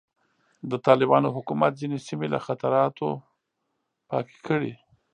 د طالبانو حکومت ځینې سیمې له خطراتو پاکې کړې.